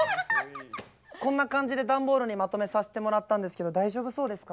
こんな感じで段ボールにまとめさせてもらったんですけど大丈夫そうですか？